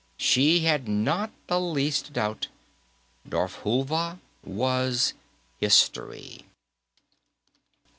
She had not the least doubt; Darfhulva was History.